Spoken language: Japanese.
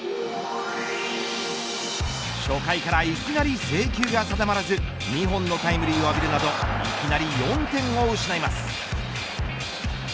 初回からいきなり制球が定まらず２本のタイムリーを浴びるなどいきなり４点を失います。